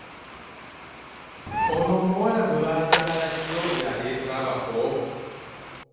Ono omuwala gwebazaala jjo yaleeze abako?